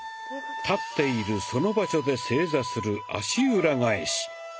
立っているその場所で正座する「足裏返し」。